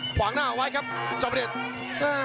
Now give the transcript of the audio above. ขวางหน้าเอาไว้ครับจอมเดชน์